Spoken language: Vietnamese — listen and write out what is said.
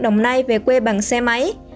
đồng nai về quê bằng xe máy